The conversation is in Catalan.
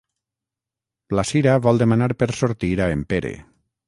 La Sira vol demanar per sortir a en Pere.